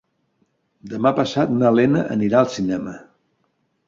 Demà passat na Lena anirà al cinema.